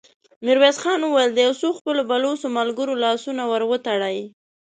ميرويس خان وويل: د يو څو خپلو بلوڅو ملګرو لاسونه ور وتړئ!